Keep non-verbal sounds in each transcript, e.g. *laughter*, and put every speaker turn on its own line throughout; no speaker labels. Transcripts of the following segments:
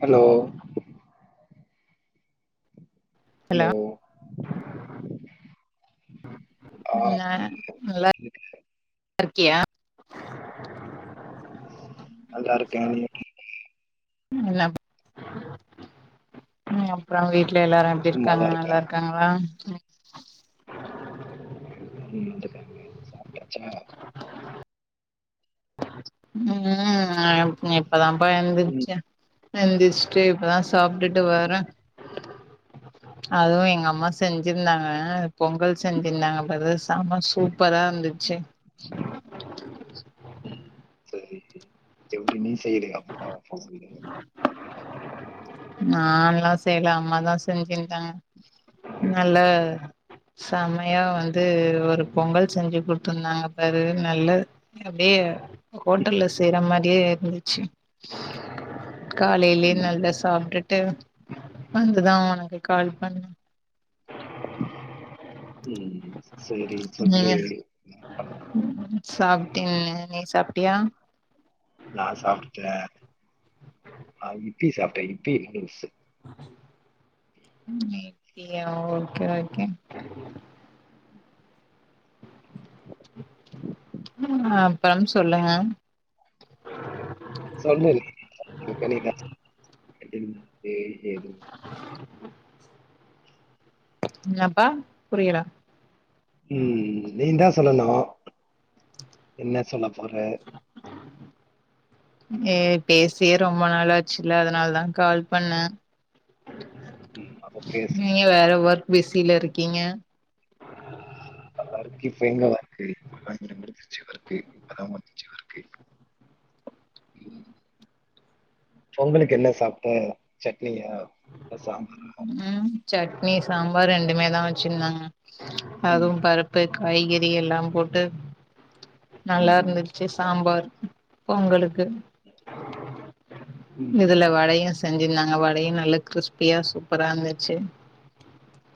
Hello hello ஆ
ம் ரிக்கியா
நல்லாருக்க நீங்க எப்டி இருக்கீங்க
ம் அப் ம் அப்புறோ‌ வீட் டுல எல்லாரு எப்டி இருக்காங்க
சும்மாதான் இருக்கேன்
நல்லாருக்காங்களா
எல்லாரு இங்க வந்திருக்காங்க சாப்பிட்டாச்சா
ம் நா இப் இப்பதாப்பா எந்திரிச்ச
ம்
எந்திரிஸ்ட்டு இப்பதா சாப்ட்டுட்டு வர்ற அதுவு எங்க அம்மா செஞ்சிருந்தாங்க பொங்கல் செஞ்சிருந்தாங்க அப்பறோ எதோ சாம்பார் சூப்பராருந்துச்சி
செரி எப்டி நீ செய்லியா அப்ப ஃபௌலிங்கி
நான்ல்லா செய்ல அம்மாதா செஞ்சிருந்தாங்க நல்லா செமையா வந்து ஒரு பொங்கல் செஞ்சி குடுத்துருந்தாங்க பாரு நல்ல அப்டியே ஹோட்டல்ல செய்ற மாரியே இருந்துச்சி காலைலயே
ம்
நல்ல ஸ் சாப்ட்டுட்டு வந்துதா வா ஒனக்கு கால் பண்ண
ம் ம் சேரி சொல்லு என்ன பண்லா
சாப்ட்டிங்லே நீ சாப்ட்டியா
ஆ இப்பி சாப்ட்ட இப்பி நூடூல்ஸ்
ம் இப்பியா ஓகே ஓகே ம் அப்பறம் சொல்லுங்க
சொன்னேல்ல இக்கனிக்கா எட்டென் ஏய் ஏது
என்னப்பா புரியல
ம் நீந்தா சொல்லணு என்ன சொல்ல போற
ஏ பேசியே ரொம்ப நாள் ஆச்சுல்ல அதனாலதா கால் பண்ண
ம் அப்ப பேசு
நீ வேற ஒர்க் பிசில இருக்கீங்க
அவளுக்கு இப்ப எங்க ஒர்க்கு *unintelligible* இருந்துச்சி ஒர்க்கு அதா வந்துச்சி ஒர்க்கு பொங்கலுக்கு என்ன சாப்ட்ட சட் னியா அ சாம்பாரா
ம் சட்னி சாம்பார் ரெண்டுமேதா வச்சிர்ந்தாங்க
ம்,
அதுவு பருப்பு காய்கறி எல்லாம் போட்டு
ம்,
நல்லார்ந்துச்சு சாம்பார் பொங்கலு க்கு
ம்,
இதுல
ம்.
வடைய செஞ்சிருந்தாங்க வடையு நல்ல கிரிஸ்பியா சூப்பரா இருந்துச்சு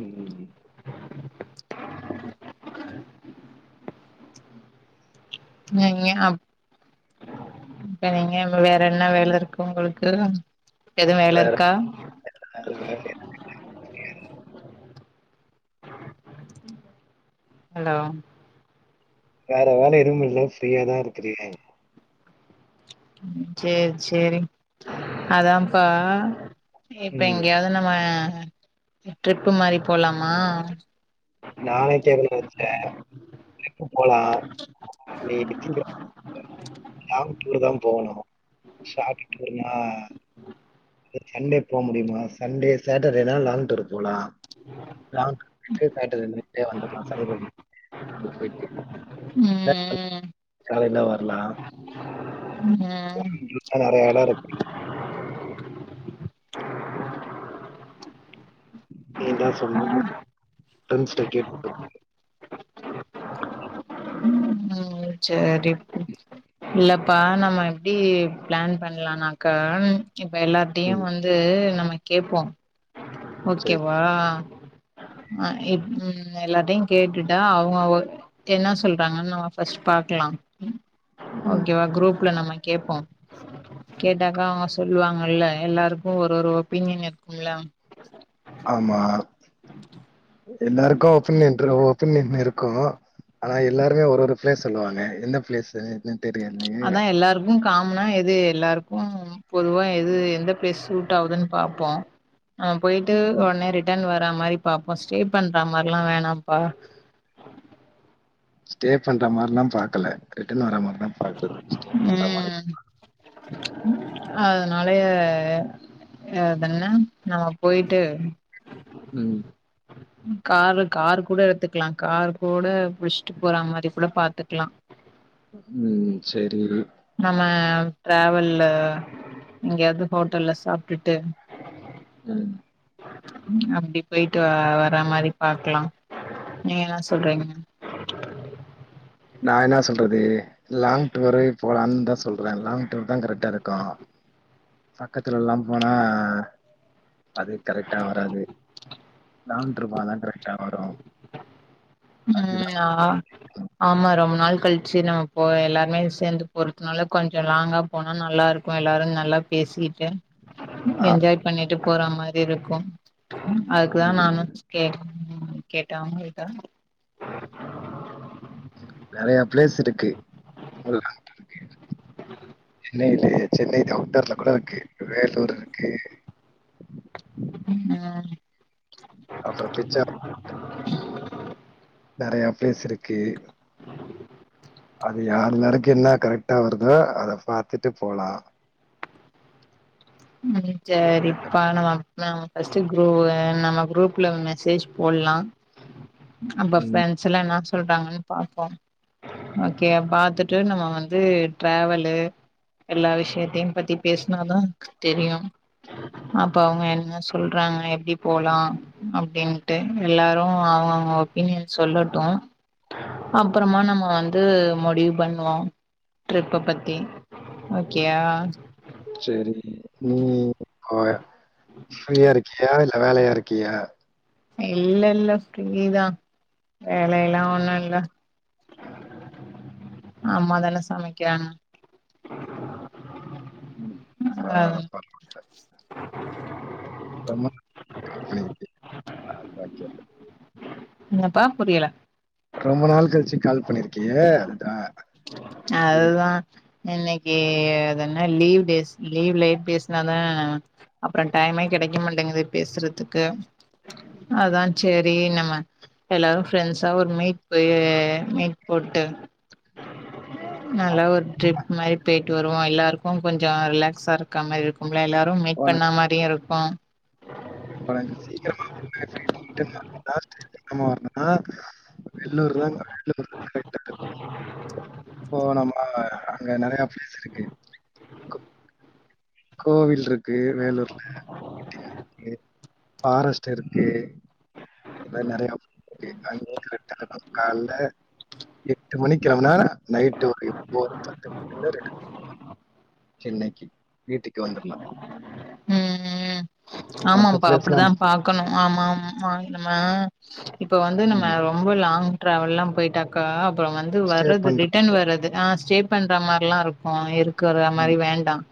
உம் உம் உம்
ஞா ஞா வேற எங்க வேற என்ன வேல இருக்கு உங்களுக்கு எதுவும் வேல
வேற
இருக்கா
வேற வேல
ஹலோ
வேற வேல எதுவும் இல்ல ஃப்ரீயாதா இருக்கிறீயா
சேரி சேரி அதாப்பா இப்ப
ம்.
எங்கயாது நம்ம அ டிரிப்பு மாதிரி போலாமா
நாளைக்கே எடுத்துட்டே டிரிப்பு போலா *unintelligible* போனு சாப்டுட்டு வருமா சண்டே போக முடியுமா சண்டே சாட்டர்டேனா லாங் டூர் போலா லாங் ப் காட்டுதுண்ணு ஏ வந்துடலா சனிக்கெழம நாலாம் போய்ட்டு
ம் ம்
காலையில வரலா
ம் ம்
*unintelligible* *inaudible* நீ தா சொல்லனு ஃப்ரண்ட்ஸ்ட்ட கேட்டுட்டு *inaudible*
ம் சேர் ரிப் இல்லப்பா நம்ம எப்டி பிளான் பண்ணலானாக்கா இப்ப எல்லார்த்தையு
ம்.
வந்து நம்ம கேப்போ
சரி.
ஓகேவா அ இப் ம் எல்லார்ட்டயு கேட்டுட்டா அவங்க வ என்னா சொல்றாங்கன்னு ஃபஸ்ட் பாக்கலா ம்
ம்.
ஓகே வா க்ரூப் ல நம்ம கேப்போ கேட்டாக்கா அவங்க சொல்லுவாங்கல்ல எல்லாருக்கு ஒரு ஒரு ஒபீனியன் இருக்கும்ல
ஆமா எல்லாருக்கு ஓபினியன் *unintelligible* ஒபீனியன் இருக்கோ ஆனா எல்லாருமே ஒரு ஒரு பிளேஸ் சொல்லுவாங்க எந்த பிளேஸு எது தெரியலையே
ம் காமனா எது எல்லாருக்கு பொதுவா எது எந்த ப்ளேஸ் சூட் ஆவுதுன்னு பாப்போ ஆ போயிட்டு
ம்.
உடனே ரிட்டர்ன் வர மாரி பாப்போ ஸ்டே பண்றா மாரில்லா வேணாம்ப்பா
ஸ்டே பண்ற மாரில்லா பாக்கல ரிட்டர்ன் வர மாரி பாத்த ஸ்டே பண்ற மாரி *inaudible*
அதனாலயே அதுன்ன நம்ம போயிட்டு
ம்
காரு கார் கூட எடுத்துக்கலா கார் கூட விச்சிட்டு போற மாரி கூட பாத் பத்துக்லா
ம் சரி
நம்ம டிராவல்ல எங்கயாவது ஹோட்டல்ல சாப்ட்டுட்டு
ம்
அப்டி போயிட்டு அ வர மாரி பாக்குலா நீங்க என்னா சொல்றீங்க
நா என்னா சொல்றது லாங் டூரே போலான்னு தா சொல்றேன் லாங் டூர் தான் கரெக்டா இருக்கும் பக்கத்துலல்லா போனா அது கரெக்டா வராது லாங் ட்ரிப்பாதா ட்ரெக்டா வரூ
ம் ஆ ஆமா ரொம்ப நாள் கழிச்சு நம்ம போ எல்லாருமே சேந்து போறதுனால கொஞ்சோ லாங்கா போனா நல்லா இருக்கும் எல்லாரும் நல்லா பேசிட்டு
ஆ.
என்ஜாய் பண்ணிட்டு போற மாரி இருக்கும் அதுக்குதா நானும்
ம்.
ஸ் கே கேட்டாவு வெய்ட்டா
நறைய பிளேஸ் இருக்கு *unintelligible* இல்லயே சென்னை *unintelligible* போல இருக்கு வேலூர் இருக்கு
ம் அ
அப்புறோ பிச்ச *unintelligible* நறையா பிளேஸ் இருக்கு அது யார்லாருக்கு என்ன கரெக்டா வருதோ அத பாத்துட்டு போலா
ம்
சரியா?
சரிப்பா நம்ம அப் நாம ஃபர்ஸ்ட்டு க்ரு அ நம்ம குரூப்ல மெசேஜ் போட்லா அப்ப
ம்.
ப்ரெண்ட்ஸல்லானா ஸ் சொல்றாங்கன்னு பாப்போம் ஓகே பாத்துட்டு நம்ம வந்து டிராவலு எல்லா விஷயத்தையும் பத்தி பேசுனா தா தெரியும் அப்ப அவங்க என்ன சொல்றாங்க எப்டி போலா அப்டின்ட்டு எல்லாரு அவங்கவுங்க ஒப்பீனியன் சொல்லட்டும் அப்புறமா நம்ம வந்து முடிவு பண்ணுவோம் ட்ரிப்ப பத்தி ஓகேயா
செரி ம் ஓயா ஃப்ரீயா இருக்கியா இல் அ வேலையா இருக்கியா
இல்ல இல்ல ஃப்ரீதா வேலைல்லா ஒண்ணும் இல்ல அம்மா தான சமைக்கிறாங்க அதா
*unintelligible* ரொம்மோ அப்புடி இருக்கு ஆ பச்ச *inaudible*
என்னப்பா புரியல
ரொம்ப நாள் கழிச்சி கால் பண்ணிருக்கியே அதா
அதா இன்னைக்குனதுன லீவ் டேஸ் லீவ்ல பேசுனாதான் அப்புறம் டைமே கிடைக்க மாட்டேங்குது பேசுறதுக்கு அதான் சரி நம்ம எல்லாரும் ஃப்ரெண்ட்ஸா ஒரு மீட் போய் மீட் போட்டு நல்லா ஒரு ட்ரிப் மாரி பெயி ட்டு வருவோம் எல்லாருக்கும் கொஞ்சம் ரிலாக்ஸா இருக்க மாரி இருக்கும் எல்லாரும் மீட் பண்ண மாரியும் இருக் கும்
*unintelligible* ஆமா வேலூர் *unintelligible* போனம்மா அங்க நிறைய பிளேஸ் இருக்கு. கோ கோவில் இருக்கு வேலூர்ல. இருக்கு, ஃபாரஸ்ட் இருக்கு. இந்த மாரி நிறையாருக்கு அங்க *unintelligible* கால எட்டு மணிக் கிளம்புனா நைட்டு ஒரு எ ஒம்ப *unintelligible* சென்னைக்கு வீட்டுக்கு வந்துர்லாம்.
ம் ம் ஆமாப்பா அப்படித்தான் பாக்கணும் ஆமா ஆமா நம்ம இப்ப வந்து நம்ம
ம்.
ரொம்ப லாங் ட்ராவல்லலாம் போயிட்டாக்கா அப்புறம் வந்து
ஸ்டே
வர்றது
பண்றது.
ரிட்டர்ன் வர்றது ஆ ஸ்டே பண்ற மாரிலாம் இருக்கும் இரு க்குற
ம்.
மாரி வேண்டாம்.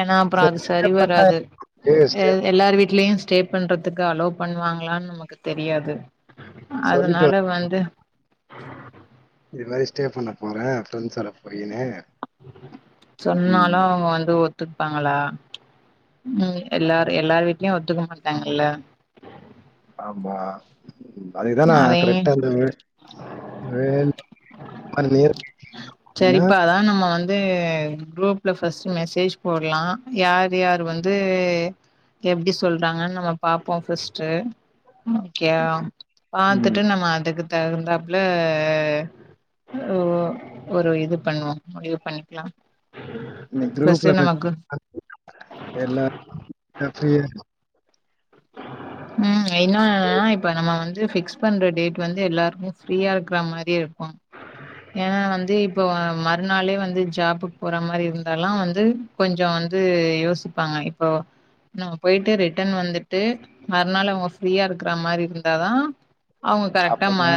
ஏனா அப்புறம் அது
ஸ்டே
சரி
பண்ணா
வராது
எனக்கு ஸ்டே
எல் எல்லார் வீடலயும் ஸ்டே பண்றதுக்கு அலோ பண்ணுவாங்களான்னு நமக்கு தெரியாது.
சொல்லிட்டு
அதனால
வர
வந்து
இது மாரி ஸ்டே பண்ண போறேன் ஃப்ரெண்ட்ஸ்சோடா போயீன்னு.
சொன்னாலும் அவங்க வந்து ஒத் துப்பாங்களா ம் எல்லாரு எல்லார் வீட்லயும் ஒத்துக்க மாட்டாங்கல்ல.
ஆமா அதுதானா
அதையு
கரெக்டா அ வேன் *unintelligible* அப்டினா
து குரூப்ல ஃபர்ஸ்ட்டு மெசேஜ் போடலா யார் யார் வந்து எப்டி சொல்றாங்கன்னு நம்ம பாப்போ ஃபர்ஸ்ட்டு ஓகேயா?
ம்.
பத்துட்டு நம்ம அதுக்கு தகுந்தாப்புல ஒ ஒரு இது பண்ணுவோம் முடிவு பண்ணிக்கலா
இந்த குரூப்ல *unintelligible* அ எல்லா அப்டியா
ம் என்னனா இப்ப நம்ம வந்து பிக்ஸ் பண்ற டேட் வந்து எல்லாருக்கு ஃப்ரீயா இருக்கற மாரி இருக்கு ஏன்னா வந்து இப்போ மறுநாளே வந்து ஜாபுக்கு போற மாரி இருந்தலா வந்து கொஞ்ச வந்து யோசிப்பாங்க இப்போ நம்ம போயிட்டு ரிட்டன் வந்துட் ட்டு மறுநாள் அவங்க ஃப்ரீயா இருக்கற மாரி இருந்தாதா அவங்க கரெக்டா ம
அப்பதா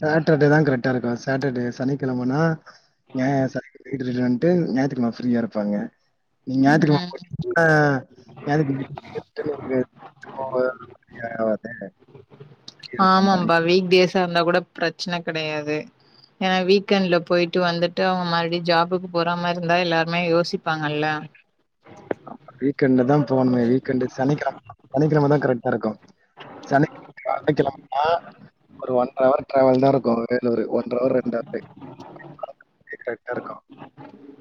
சேட்டர்டே தா கரெக்டா இருக்கு வாசு சாட்டர்டே சனிக்கிழமனா ஞா சனிகிழம *inaudible* வண்ட்டு ஞாயித்துக்கெழம ஃப்ரீயா இருப்பாங்க
ம்
நாங்க ஞாயித்து கெழம *unintelligible*
ஆமம் வீக் டேஸா இருந்தா கூட பிரச்சனை கெடையாது ஏனா வீக்கெண்ட்ல போயிட்டு வந்துட்டு அவங்க மறுபடி ஜாபுக்கு போற மாரி இருந்தா எல்லாருமே யோசிப்பாங்கல்ல
வீக்கெண்ட் தா போணுமே வீக்கெண்ட் சனிக்கெழம சனிக்கெழம தா கரெக்டா இருக்கு சனி நாய்த்து கெழமைனா ஒரு ஒன் ஹவர் டிரவல் தா இருக்கு ஒரு ஒன்ட்ற ஹவர் ரெண்டு ஹவர் *unintelligible* கரெக்ட்டா இருக்கு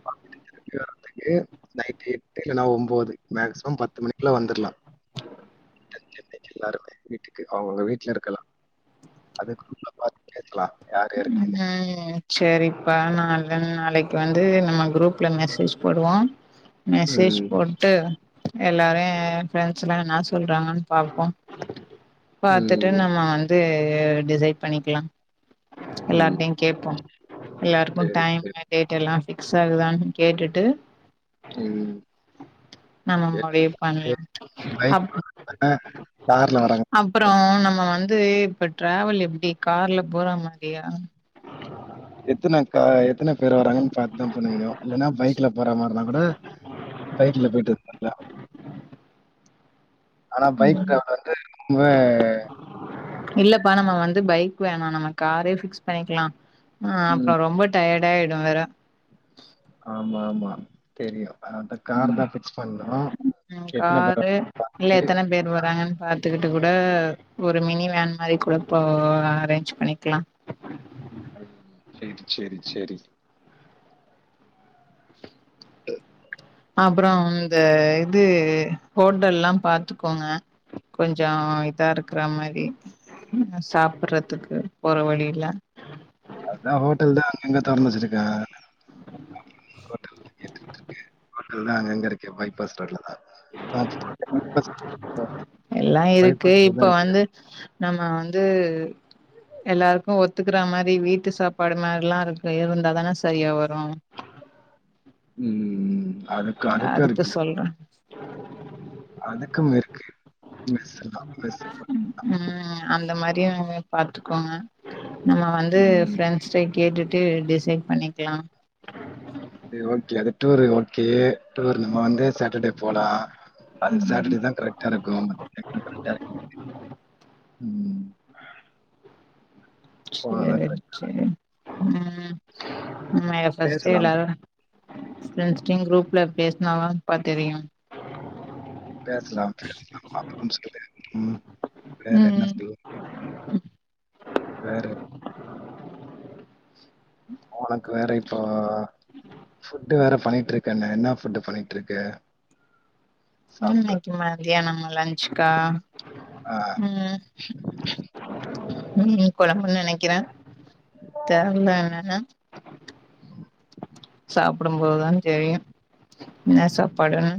*unintelligible* திரும்பி வரதுக்கு ஏர் நைட்டு எட்டு இல்லனா ஒம்போது மேக்சிமம் பத்து மணிக்குல வந்துறலா சென்னை எல்லாருமே வீட்டுக்கு அவங்கவுங்க வீட்டுல இருக்கலா அதுக்கு *unintelligible* கேக்கலா
உ ஆ சரிப்பா நாங்க நாளைக் வந்து நம்ம குரூப்ல மெசேஜ் போடுவோ மெசேஜ்
ம்.
போட்டு எல்லாரையு பிரண்ட்ஸ்ல்லா என்னா சொல்றாங்கன் பாப்போ பாத்துட்டு
ம்.
நம்ம வந்து அ டிசைட் பண்ணிக்கலா
ம்.
எல்லார்ட்டையு கேப்போ எல்லாருக்கு
சரி,
டைம்
சரி.
டேட் எல்லா எக்ஸா தான் கேட்டுட்டு
ம்.
நம்ம முடிவு
எனக்கு
பண்ணலா
பைக்ல
அப்
கார்ல வராங்க.
அப்பறோ நம்ம வந் இது இப்ப டிராவல் எப்டி கார்ல போறாம ரியா
எத்தனாக்கா எத் எத்தனை பேர் வராங்கன்னு பாத்துதா பண்ண முடியு இல்லனா பைக்ல போற மாரிருந்தா கூட பைக்ல போயிட்டு வந்துரலா ஆனா பைக் ட்ராவல் வந்து ரொம்ப
எஇல்லப்பா நம்ம வந்து பைக் வேணாம் நம்ம காரே பிக்ஸ் பண்ணிக்கலாம் ஆ
ம்.
அப்ப ரொம்ப டயர்ட் *unintelligible* வேற
ஆமா ஆமா தெரியும் அந்த கார் தான் பிக்ஸ் பண்ணணும்
ம்
எத்தனை பேர்
காரு துக்கிட்டு கூட ஒரு மினி வேன் மாரி கூட அரேஞ்ச் பண்ணிக்கலாம்
ம். சரி, சரி, சரி.
அப்பறம் இந்த இது ஹோட்டல்லாம் பாத்துக்கோங்க கொஞ்சம் இதா இருக்குறா மாரி சாப்பறதுக்கு போற வழியில
அதான் ஹோட்டல் தான் எங்க தறந்து வச்சிருக்காக அதான் அங்க அங்க இருக்கே பைபாஸ் ரோட்ல தான் அ பைபாஸ்
எல்லாம் இருக்கு
பைபாஸ் ரோடு தான்
இப்ப
இருக்கு.
வந்து நம்ம வந்து து எல்லாருக்கும் ஒத்துக்கறா மாரி வீட்டு சாப்பாடு மாரிலாம் இருக்கு இருந்தாதானே சரியா வரும்
அழுக்க அழுக்கா
அதுக்கு
இருக்கு
சொல்றே
அதுக்கும் இருக்கு *unintelligible*
ம் *inaudible* பாத்துக்கோங்க நம்ம வந்து
ம்.
ஃப்ரெண்ட்ஸ்ட கேட்டுட்டு ட்டு டிசைட் பண்ணிக்கலாம்
அது ஓகே அது டூரு ஓகே டூர் நம்ம வந்து சாட்டர்டே போலாம் அது சாட்டர்டே தான் கரெக்டா இருக்கும் ம் போனா தான்
சரி
கரெக்ட்டா
சரி ம் என் ஃபர்ஸ்ட் டே
பேசலாம்
இல்ல ஃப்ரண்ட்ஸ் க்ரூப்ல பேசினாதான்ப்பா தெரியும்
பேசலாம் பேசலாம் *inaudible* ம் வேற என்ன
ம்
ப்ரோ வேற உனக்கு வேற இப்போ ஃபுட்டு வேற பண்ணிட்டு இருக்கன் என்ன ஃபுட்டு் பண்ணிட்டு இருக்க
உம்
சாப்பிடு.
இன்னைக்கு மத்தியானம்மா லஞ்ச் க்கா
ஆ.
ம் உம் குழம்புன்னு நனைக்கிறேன் தெர்ல
ம்.
என்னானு சாப்பிடும்போதுதான் தெரியும் என்ன சாப்பாடுன்னு